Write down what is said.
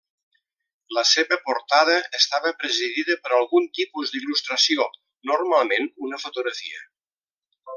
La seva portada estava presidida per algun tipus d'il·lustració, normalment una fotografia.